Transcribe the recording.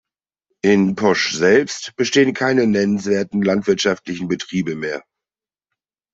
In Posch selbst bestehen keine nennenswerten landwirtschaftlichen Betriebe mehr.